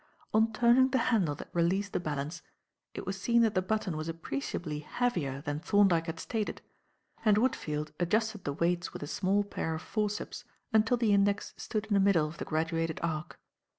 On turning the handle that released the balance, it was seen that the button was appreciably heavier than Thorndyke had stated, and Woodfield adjusted the weights with a small pair of forceps until the index stood in the middle of the graduated arc.